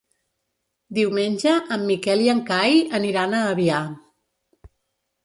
Diumenge en Miquel i en Cai aniran a Avià.